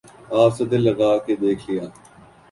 آپ سے دل لگا کے دیکھ لیا